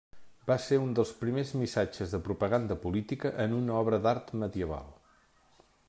Va ser un dels primers missatges de propaganda política en una obra d'art medieval.